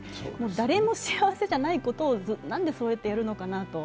誰も幸せじゃないことをなんでそうやってやるのかなと。